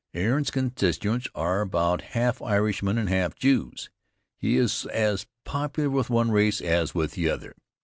Ahearn's constituents are about half Irishmen and half Jews. He is as popular with one race as with the other.